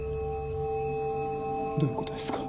どういう事ですか？